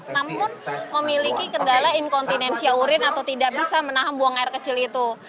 namun memiliki kendala inkontinensia urin atau tidak bisa menahan buang air kecil itu